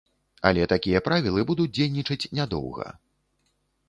Але такія правілы будуць дзейнічаць нядоўга.